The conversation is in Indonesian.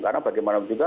karena bagaimana juga